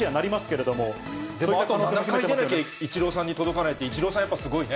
けれでもあと７回出なきゃ、イチローさんに届かないって、イチローさんやっぱすごいね。